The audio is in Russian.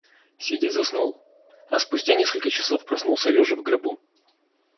Сидя заснул, а спустя несколько часов проснулся лежа в гробу.